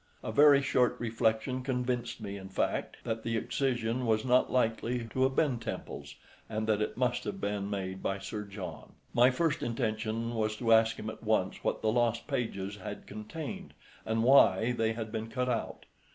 A very short reflection convinced me, in fact, that the excision was not likely to have been Temple's, and that it must have been made by Sir John. My first intention was to ask him at once what the lost pages had contained, and why they had been cut out.